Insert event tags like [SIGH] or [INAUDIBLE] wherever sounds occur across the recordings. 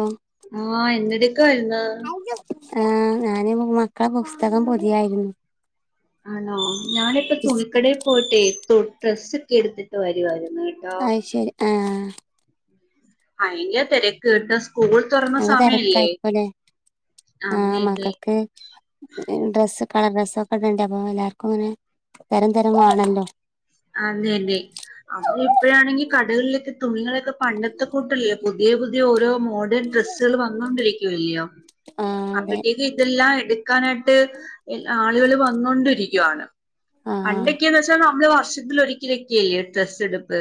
ഓ ആഹ് എന്ത്ടക്കായിരുന്നു. ആഹ ഞാന് മക്കളെ പുസ്തകം പൊതിയായിരുന്നു ആണോ ഞാനിപ്പ തുണിക്കടയിൽ പോയിട്ടെ ഡ്രസ്സ് എടുത്തിട്ട് വരുവായോ ആഹ് ശരി ആഹ് അയിന്റെ തിരക്ക് കേട്ട നല്ല തിരക്കായിരിക്കുല്ലെ ആഹ് അതെല്ലേ മക്കൾക്ക് ഡ്രസ്സ് കളർ ഡ്രസ്സ് ഒക്കെ ഇണ്ട് അപ്പൊ എല്ലാവർക്കും അങ്ങനെ തരം തരം വേണല്ലോ അതെന്നെ അത് ഇപ്പോഴാണെങ്കി [UNINTELLIGIBLE] പണ്ടത്തെ കൂട്ടല്ലോ പുതിയ പുതിയ ഓരോ മോഡേൺ ഡ്രെസ്സുകൾ വന്നോണ്ടിരിക്കുവല്ലയോ ആഹ് അതെ അപ്പഴത്തേക്ക് ഇതെല്ലാം എടുക്കാനായിട്ട് ആളുകൾ വന്നൊണ്ടിരിക്കും [INAUDIBLE] ആഹ് പണ്ടൊക്കെന്ന് വെച്ചാ നമ്മൾ ത്തിൽ ഒരിക്കലൊക്കെല്ലേ ഡ്രസ്സ് എടുപ്പ്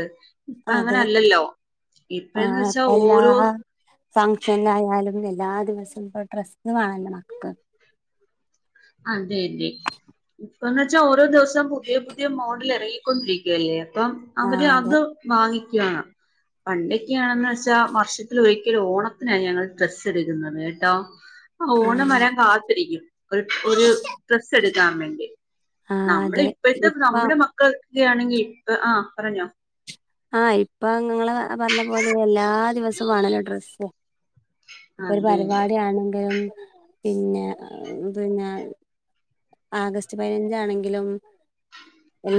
ഇപ്പ അതെ അങ്ങനല്ലല്ലോ ആ ഇപ്പഴന്ന് വെച്ചാ അപ്പ എല്ലാ ഓരോ ഫങ്ഷൻ ആയാലുംല്ലേ എല്ലാ ദിവസവും ഇപ്പൊ ഡ്രെസ് വാങ്ങണല്ലേ മക്കക്ക് അതെ അതെ ഇപ്പന്ന് വെച്ചാ ഓരോ ദിവസം പുതിയ പുതിയ മോഡൽ ഇറങ്ങിക്കൊണ്ടിരിക്കുവല്ലേ അപ്പം അവര് ആഹ് അതെ അത് വാങ്ങി പണ്ടൊക്കെയാണന്ന് വെച്ചാ വർഷത്തിൽ ഒരിക്കലൽ ഓണത്തിനാണ് ഞങ്ങൾ ഡ്രസ്സ് എടുക്കുന്നത് കേട്ടോ ആഹ് ഓണം വരാൻ കാത്തിരിക്കും ഒരു ഡ്രസ്സ് എടുക്കാൻ വേണ്ടി ആഹ് നമ്മള് അതെ ഇപ്പോഴത്തെ ഇപ്പ നമ്മുടെ മക്കൾ ഒക്കെയാണെങ്കിൽ ആ പറഞ്ഞോ ആഹ് ഇപ്പൊ ങ്ങള് പറഞ്ഞ പോലെ എല്ലാ ദിവസവും വേണല്ലോ ഡ്രസ്സ് ഇപ്പൊ ഒരു അതെ പരിപാടിയാണെങ്കിലും പിന്നെ പിന്നെ ആഗസ്റ്റ് പതിനഞ്ചാണെങ്കിലും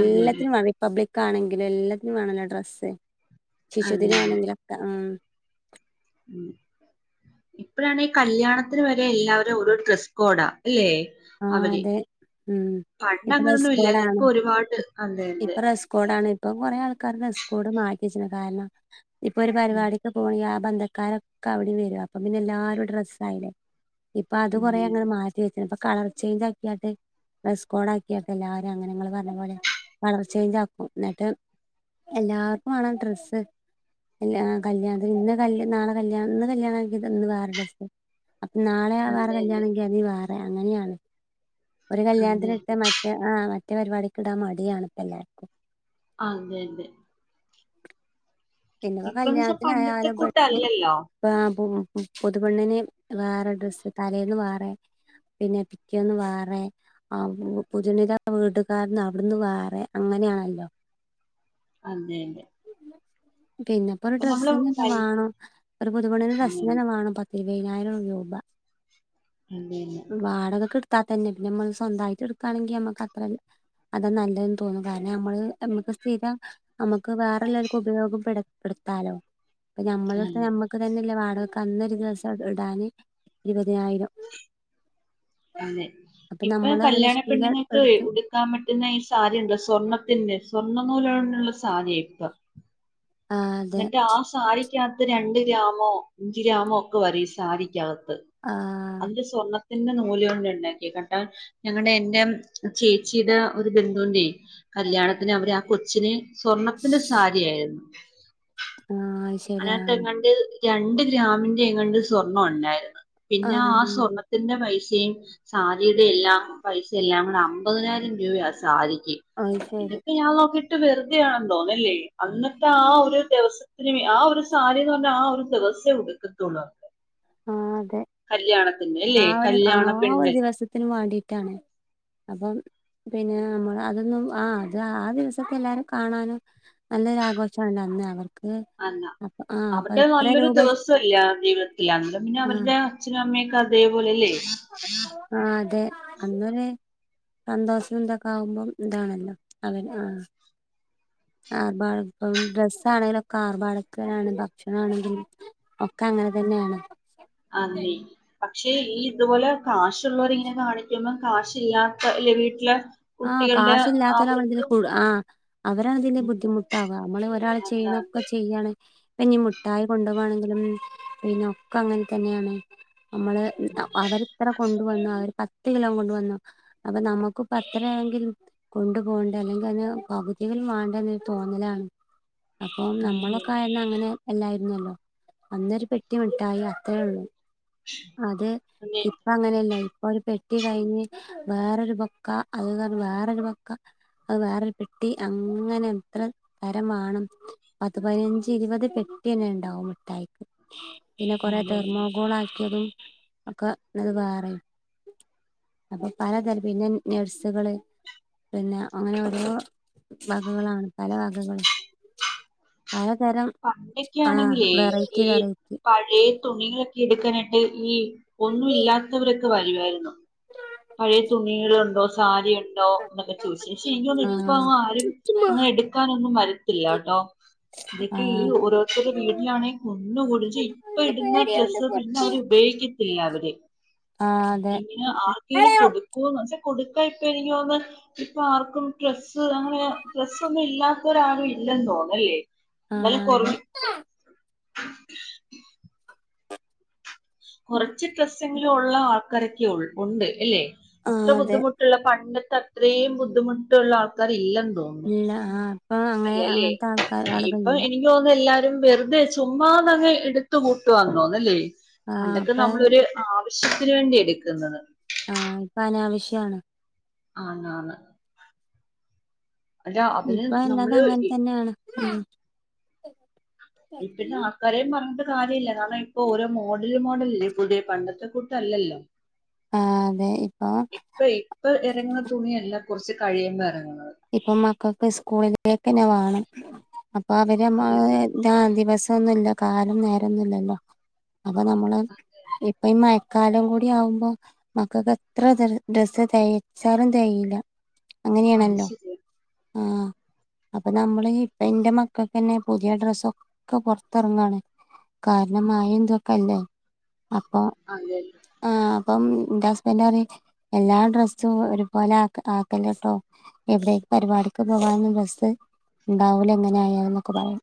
അതെ അതെ റിപ്പബ്ലിക് കാണെങ്കിലും എല്ലാത്തിനും വേണല്ലോ ഡ്രസ് അതെ അതെ ശിശുദിനാണെങ്കിലൊക്കെ ആഹ് ഇപ്പഴാണെ കല്യാണത്തിന് വരെ എല്ലാവരും ഓരോ ഡ്രസ്സ് കോടാ അല്ലെ ആ അതെ ഉം പണ്ട് ഇപ്പൊ ഡ്രസ്സ്‌ അങ്ങനൊന്നും ഇല്ലായിരുന്നു കോഡാണ് ഇപ്പൊ ഒരുപാട് അതെ അതെ ഇപ്പൊ ഡ്രസ്സ്കോഡാണ് ഇപ്പൊ കൊറെ ആൾ ഡ്രസ്സ്കോഡ് മാറ്റിവെച്ചിന് കാരണം ഇപ്പൊ ഒരു പരിപാടിക്ക് പോയാ ബന്ധക്കാരൊക്കെ അവിടെയും വരും അപ്പം പിന്നെ എല്ലാരും ഡ്രസായില്ലേ ഇപ്പൊ അത് കൊറേ അതെ അങ്ങനെ മാറ്റി വെ [INAUDIBLE] കളർ ചേഞ്ച് ആക്കിയാട്ടെ ഡ്രസ്സ് കോഡ് ആക്കിയ എല്ലാവരും അങ്ങനെ ഇങ്ങൾ പറഞ്ഞ പോലെ കളർ ചേഞ്ച് ആക്കും എന്നിട്ട് എല്ലാർക്കും വേണം ഡ്രസ്സ് എല്ലാ കല്യാണത്തിന് ഇന്ന് നാളെ കല്യാ ഇന്ന് കല്യാണണം മാക്കിത് ഇന്ന് വേറെ ഡ്രസ് അപ്പ നാളെയാ വേറെ അതെ കല്യാണെങ്കിൽ അത് ണെ വാ അങ്ങനെയാണ് ഒരു അതെ അതെ അതെ അതെ കല്യാണത്തിനിട്ട മറ്റേ ആഹ് മറ്റ് പരിപാടിക്ക് ഇടാൻ മടിയാണ് ഇപ്പ എല്ലാർക്കും അതെ അതെ പിന്നെപ്പോ ഇപ്പന്ന് വെച്ചാ പണ്ടത്തെ കല്യാണത്തിനായാലും പെ കൂട്ടല്ലല്ലോ [UNINTELLIGIBLE] പുതുപ്പെണ്ണിന് വേറെ ഡ്രസ്സ് തലേന്ന് വേറെ പിന്നെ പിറ്റന്ന് വേറെ ആ പുതുപെണ്ണിന്റെ വീടുകാരന്ന് അവിടുന്ന് വേറെ അങ്ങനെയാണല്ലോ അതെയതേ പിന്നെപ്പൊ ഒരു ഡ്രസ്സിനന്നെ വേണം ഒരു പുതുപെണ്ണിന്റെ ഡ്രസ്സിന് അതെന്നെ തന്നെ വേണം പ ഇരുപയിനായിരം രൂപ അതെന്നെ അതെ വാടക കെടുത്താത്തന്നെ പിന്ന നമ്മള് സ്വന്തമായിട്ട് എടുക്കുകയാണെങ്കി അമ്മക്ക് അത്രല്ല അതാ നല്ലതെന്ന് തോന്നും കാരണം നമ്മള് നമ്മുക്ക് സ്ഥിരം നമുക്ക് വേറെല്ലാരിക്കും ഉപയോഗപ്പെട് പ്പെടുത്താലോ ഇപ്പ ഞമ്മളടുത്ത് അതെ ഞമ്മക്ക് തന്നെയല്ലെ ഞങ്ങക്ക് അന്നൊരു ദിവസം ഇടാന് ഇരുപതിനായിരം അതെ അപ്പൊ ഇപ്പൊ നമ്മള് അങ്ങനെ കല്യാണ ശീല പെണ്ണുങ്ങൾക്ക് എടുത്ത് ഉടുക്കാൻ പറ്റുന്ന ഈ സാരിയുണ്ടല്ലോ സ്വർണ്ണത്തിന്റെ സ്വർണ്ണനൂല് കൊണ്ട് കൊണ്ടുള്ള സാരിയാ പ്പ ആ അതെ എന്നിട്ട് ആ സാരി [UNINTELLIGIBLE] രണ്ട് ഗ്രാമോ അഞ്ച് ഗ്രാമോ ഒക്കെ പറയും ഈ സാരിക്കക ആ അതിൽ സ്വർണ്ണ [UNINTELLIGIBLE] നൂല് കൊണ്ട് ഇണ്ടാക്കി കണ്ടാ ഞങ്ങടെം എന്റേം ചേച്ചിയുട ഒരു ബന്ധുവുണ്ടെ കല്യാണത്തിന് അവര് ആ കൊ [UNINTELLIGIBLE] സ്വർണത്തിന്റെ സാരിയായിരുന്നു [UNINTELLIGIBLE] ആ ശരി ആ അതിനകത്തെങ്ങണ്ട് രണ്ട് ഗ്രാമിന്റെ എങ്ങാണ്ട് സ്വർണ്ണം ഉണ്ടായിരുന്ന് പിന്നെ ആ സ്വർണത്തിന്റെ പൈസ [UNINTELLIGIBLE] സാധ്യതയെല്ലാം പൈസ എല്ലാം കൂടെ അമ്പതിനായിരം രൂപയ സാരി അത് ശരി ഇതക്കെ ഞാൻ നോക്കീ [UNINTELLIGIBLE] വെറുതെ ആണെന്ന് തോന്നും ല്ലെ അന്നത്തെ ആ ഒരു ദിവസത്തിന് വേ ആ ഒരു സാരിന്ന് പറഞ്ഞ ആ ഒരു ദിവസേ ഉടുക്കത്തുള്ളു അ ആഹ് അതെ എ ആ ഒരു ആ കല്യാണ ഒരു പെണ്ണ് ദിവസത്തിന് വേണ്ടിട്ടാണ് അപ്പം പിന്നെ നമ്മളതൊന്നും ആ അത് ആ ദിവസത്തെ എല്ലാവരും കാണാനും നല്ലൊരു ആഘോഷമാണല്ലോ അന്ന് അവർക്ക് അല്ല അപ്പൊ ആ അപ്പൊ അവരുടെ എത്ര നല്ലൊരു രൂപ ദെവസല്ലെ ജീവിതത്തില [UNINTELLIGIBLE] പിന്നെ ആ അവരുടെ അച്ഛനും മ്മെയ്ക്കതീം പോലല്ലേ അങ്ങനെ സന്തോഷം ഇതൊക്കെ ആകുമ്പം ഇതാണല്ലോ. അതെ ആഹ് ആർഭാടം ഇപ്പം ഡ്രസാണേലോക്കെ ആർഭാടൊക്കെയാണ് ഭക്ഷേയാണെങ്കിൽ ഒക്ക അങ്ങനെ തന്നെയാണ് ആന്നെ പക്ഷെ ഈ ഇതുപോലെ കാശുള്ളോരിങ്ങനെ കാണിക്കുമ്പം കാശില്ലാത്ത ഇല്ലെ വീട്ടില് ആ കാശില്ലാത്തോരാവുമ്പഴത്തെന്നും കൂട് ആ അവരാണതില് ഉം ബുദ്ധിമുട്ടാവുക. നമ്മള് ഒരാൾ അതാ ചെയ്യണൊക്കെ അതെ ചെയ്യാണ് പ്പ ഇഞ്ഞി മുട്ടായി കൊണ്ടോവാണെങ്കിലും പിന്നെ ഒക്കെ അങ്ങനതന്നെയാണെ നമ്മള് അ അവരെത്ര കൊണ്ടുവന്ന് അവര് പത്ത് കിലോ കൊണ്ട് വന്നു. അപ്പൊ നമുക്കും പ പ്പത്തരയാണെങ്കിലും കൊണ്ടുപോവണ്ടെ അല്ലെങ്കി അതിന് പകുതിയെങ്കിലും വേണ്ടെന്നൊരു തോന്നലാണ് അപ്പൊ അതെ നമ്മളൊക്കെ ആയിരുന്ന അങ്ങനെ അല്ലായിരുന്നല്ലോ അന്നൊരു പെട്ടിമിഠായി അത്രയൊള്ളൂ. അതെ അതെ ഇതിപ്പ അങ്ങനെയല്ല ഇ ഒരു പെട്ടി കഴിഞ്ഞ് വേറൊരു ബൊക്ക അത് വേറൊരു ബൊക്ക അത് വേറൊരു പെട്ടി അങ്ങനെ എത്ര തരമാണ് പത്ത് പതിനഞ്ച് ഇരുപത് പെട്ടിന്നെ ഉണ്ടാവും മിഠായിക്ക്. പിന്നെ കൊറെ അതെ തെർമകോളായി ക്കതും ഒക്കെ ഇന്നലെ ബാറെനി. അപ്പോ പലതരം പിന്നെ നഴ്സുകള് പിന്നെ അങ്ങനെ ഓരോ വകകളാണ്. പലവകകളും പണ്ടൊക്കാണെങ്കിലേ വെറൈറ്റി ഈ വെറൈറ്റി പഴയ തുണികളൊക്കെ എടുക്കാനായിട്ട് ഈ ഒന്നും ഇല്ലാത്തവര് [UNINTELLIGIBLE] വരുവായിരുന്നു. പഴയ തുണികളുണ്ടോ സ് സാരിക ണ്ടോ ന്നൊക്കെ ചോയ്ച്ചീനി. പക്ഷേ ഇൻക്ക് തോന്ന്ണ് ആഹ് ഇപ്പങ്ങാരും അങ്ങനെ എടുക്കാനൊന്നും വരത്തില്ല കേട്ടോ ഇതൊക്കെ ഈ ആഹ് ഓരോരുത്തരെ വീട്ടിലാണെ കുന്നു കൂടി ഇപ്പോ ഇടുന്ന ഡ്രസ്സ് പിന്നെ അവര് ഉപയോഗി എല്ലാവരേ ആഹ് അതെ [UNINTELLIGIBLE] ലും കൊട്ക്കോന്ന് പക്ഷേ കൊട്ക്കാ ഇപ്പെണെങ്കി തോന്ന് ഇപ്പാർക്കും ഡ്രസ്സ് അങ്ങനെ ഡ്രസ്സൊന്നും ഇല്ലാത്തോരാരും ഇല്ലെന്ന് തോന്നുന്നു അല്ലേ ആഹ് അതെ [UNINTELLIGIBLE] കുറച്ച് ഡ്രസ്സെങ്കിലും ഉള്ള ആൾ കരക്കിയോൾ ഉണ്ട് ഇല്ലേ? അത്ര ആഹ് അതെ ബുദ്ധിമുട്ടില്ല. പണ്ട് അത്രേയും ബുദ്ധിമുട്ടുള്ള ആൾക്കാരില്ലെന്ന് തോന്നുന്നു. ഇല്ല ആ ഇപ്പൊ അങ്ങനെ ഇല്ലല്ലേ? അങ്ങനത്തെ ആൾക്കാർ ഇപ്പോ ആളുകളില്ല എനിക്ക് തോന്നുന്നു എല്ലാ [UNINTELLIGIBLE] വെറുതെ ചുമ്മാതങ്ങ് എടുത്തു കൂട്ടുവാന്ന് തോന്നുന്നല്ലെ? ആ പണ്ടൊക്കെ അപ്പൊ നമ്മളൊരു ആവശ്യ ശ്യത്തിന് വേണ്ടി എടുക്കുന്നത്. ആഹ് ഇപ്പൊ അനാവശ്യാണ്. ആന്ന് ആന്ന്. ഇപ്പ അല്ലാത് നമ്മള് അങ്ങനെ തന്നെയാണ്. തെ ഇപ്പിന്നെ ആൾകാരേം പറഞ്ഞിട്ട് കാര്യല്ല. ഇതാണേ ഇപ്പോ ഓരോ മോഡല് മോഡൽ ഇല്ലേ പുതിയ പണ്ടത്തെ കൂട്ടല്ലല്ലോ. ആ അതെ ഇപ്പൊ ഇപ്പോ ഇറങ്ങുന്ന തുണിയല്ല കുറച്ച് കഴിയുമ്പോ ഇറങ്ങുന്നത്. ഇപ്പം മക്കൾക്ക് സ്കൂളിലേക്കന്നെ വേണം. അപ്പൊ അവര് അത് നമ്മളെ ന്റെ ആ ദിവസം ഒന്നില്ല കാലം നേരൊന്നൊന്നില്ലല്ലോ. അപ്പൊ നമ്മള് ഇപ്പൊ ഈ മയക്കാലം കൂടി ആവുമ്പോ മക്കക്ക് എത്ര തെര ഡ്രസ് തേച്ചാലും തെകയില്ല. അത് ശരിയാ. ആഹ് അപ്പൊ നമ്മള് ഇപ്പ എന്റെ മക്കൾക്കന്നെ പുതിയ ഡ്രസ്സൊക്കെ പൊറത്തിറങ്ങാണ്. കാരണം മയയും ഇതൊക്കെയല്ലേ. അതെ. ഇപ്പം ന്റെ ഹസ്ബൻഡാന്നെ എല്ലാ ഡ്രസ്സും ഒരുപോലെ ആക് ആക്കല്ലേട്ടോ. എവിടെ പരിപാടിക്ക് പോകാനും ഡ്രസ്സ്‌ ഇണ്ടാവുല ഇങ്ങനെയായാൽ ന്നൊക്കെ പറയും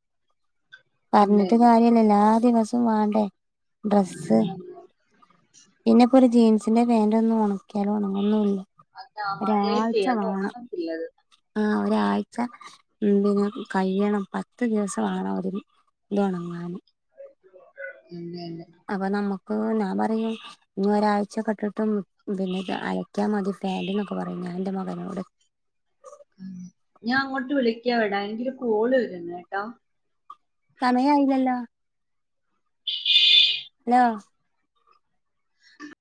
അതെ പറഞ്ഞിട്ട് അതെ അതെ കാര്യല്ലല്ലോ. ദിവസം വേണ്ടേ? ഡ്രസ്സ് പിന്നെ ഇപ്പോരു ജീൻസ് സിന്റെ പാൻ്റൊന്നും ഒണക്കിയാലും ഒണങ്ങുന്നുമില്ല. അതാ മഴയല്ലേ അത് ഒണങ്ങും ആഹ് ഒരാഴ്ച എന്തിനും കഴിയണം പത്ത് ദിവസമാവണം ഒര് ഇത് ഒണങ്ങാന്. അതെ അതെ അപ്പം നമ്മ ആഹ് ഞാൻ പറയും ഇനി ഒരാഴ്ചക്കെട്ടട്ടും പിന്നെ അയക്കിയാ മതി ഫാന്റ് എന്നൊക്കെ പറയും ഞാൻ എന്റെ മകനോട്. ഞാൻ അങ്ങോട്ട് വിളിക്കാമെടാ എനിക്കൊരു കോള് വരുന്ന് കേട്ടോ സമയായില്ലല്ലോ ഹലോ